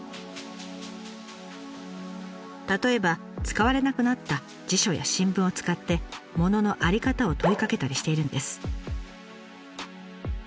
例えば使われなくなった辞書や新聞を使って物の在り方を問いかけたりしているんです。